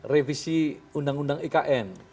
revisi undang undang ikn